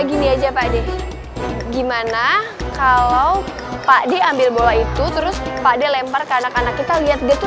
gini aja pak gimana kalau pak diambil bola itu terus pada lempar karena kita lihat gitu